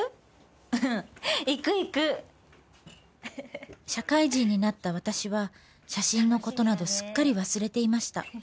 うん行く行く社会人になった私は写真のことなどすっかり忘れていました